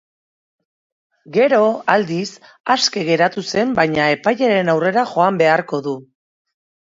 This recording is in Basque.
Gero, aldiz, aske geratu zen baina epailearen aurrera joan beharko du.